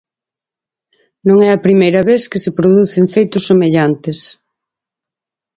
Non é a primeira vez que se producen feitos semellantes.